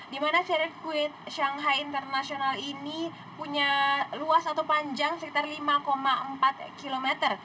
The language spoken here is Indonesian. di mana sirkuit shanghai international ini punya luas atau panjang sekitar lima empat km